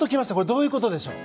どういうことでしょう？